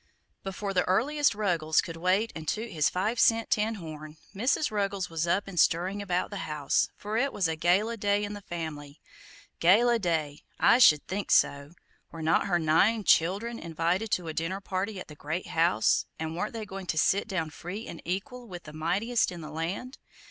Before the earliest Ruggles could wake and toot his five cent tin horn, Mrs. Ruggles was up and stirring about the house, for it was a gala day in the family. Gala day! I should think so! Were not her nine "childern" invited to a dinner party at the great house, and weren't they going to sit down free and equal with the mightiest in the land?